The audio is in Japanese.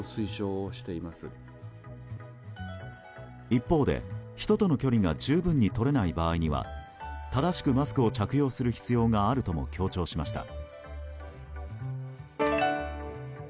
一方で、人との距離が十分にとれない場合には正しくマスクを着用する必要があるとも強調しました。